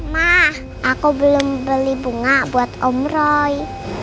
mah aku belum beli bunga buat om roy